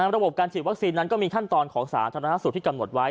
ระบบการฉีดวัคซีนนั้นก็มีขั้นตอนของสาธารณสุขที่กำหนดไว้